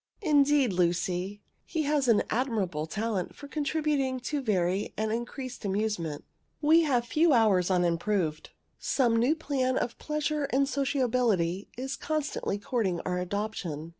Indeed, Lucy, he has an admirable talent for contributing to vary and increase amusement. We have few hours unimproved. Some new plan of pleasure and sociability is constantly courting our adoption.